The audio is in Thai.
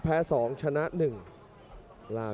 สวัสดีครับ